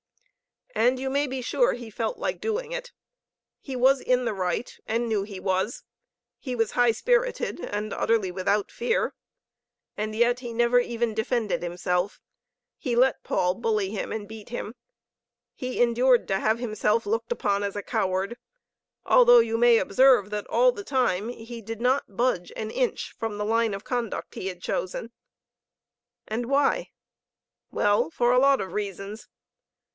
And you may be sure he felt like doing it. He was in the right, and knew he was. He was high spirited and utterly without fear. And yet he never even defended himself. lie let Paul bully him and beat him. He endured to have himself looked upon as a coward although you may observe that all the time he did not budge an inch from the line of conduct he had chosen. And why? Well, for a lot of reasons.